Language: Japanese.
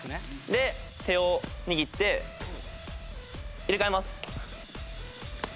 で手を握って入れ替えます。